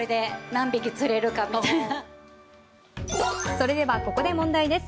それではここで問題です。